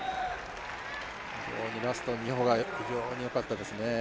ラスト２歩が非常によかったですね。